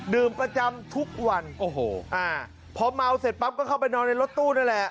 ดื่มประจำทุกวันพอเมาเสร็จปั๊บก็เข้าไปนอนในรถตู้นั่นแหละ